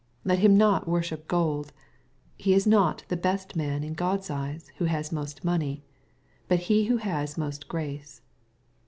Let him not worship gold. He is not the best man in Grod's eyes who has most money, but he who has most grace.